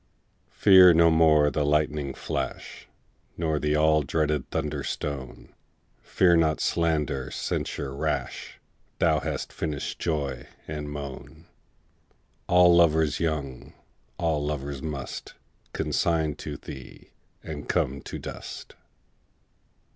Fear no more the lightning flash, Nor the all dreaded thunder stone; Fear not slander, censure rash; Thou hast finish'd joy and moan: All lovers young, all lovers must Consign to thee, and come to dust.